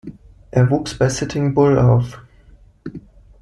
Er wuchs bei Sitting Bull auf.